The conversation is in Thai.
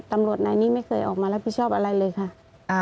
ตำรวจนายนี้ไม่เคยออกมารับผิดชอบอะไรเลยค่ะ